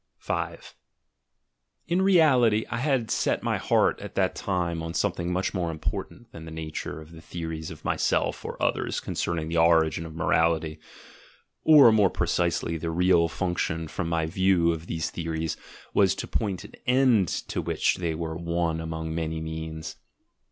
5 In reality I had set my heart at that time on some thing much more important than the nature of the theories of myself or others concerning the origin of morality (or, more precisely, the real function from my view of these theories was to point an end to which they were one among many means).